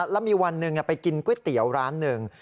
แล้วมีวันหนึ่งไปกินก๋วยเตี๋ยวร้านหนึ่ง